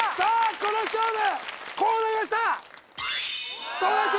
この勝負こうなりました